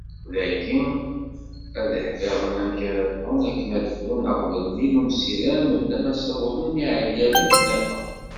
Dagi, ad iḥfiḍen amek ara lḥun akken ad ffrun aɣbel-nni n umsider mebla ma ssawlen i yiɛeggalen nniḍen.